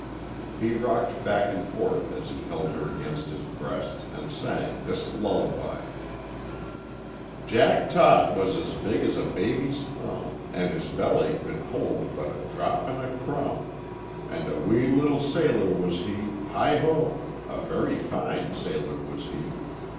He rocked back and forth as he held her against his breast and sang this lullaby: "Jack Tot was as big as a baby's thumb, And his belly could hold but a drop and a crumb, And a wee little sailor was he Heigh ho! A very fine sailor was he.